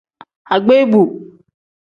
Agbeebu.